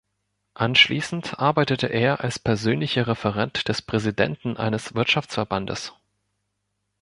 Anschließend arbeitete er als persönlicher Referent des Präsidenten eines Wirtschaftsverbandes.